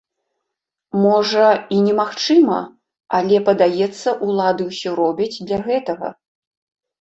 Можа, і немагчыма, але, падаецца, улады ўсё робяць для гэтага.